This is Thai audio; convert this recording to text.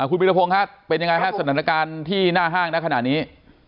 อ่าคุณมิรพงศ์ครับเป็นยังไงฮะสถานการณ์ที่หน้าห้างณน่าขนาดนี้